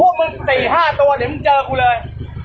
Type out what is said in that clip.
พวกมึงสี่ห้าตัวตอนเดี๋ยวมึงเจอกูเลย